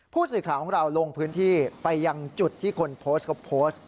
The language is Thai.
ผู้สื่อข่าวของเราลงพื้นที่ไปยังจุดที่คนโพสต์เขาโพสต์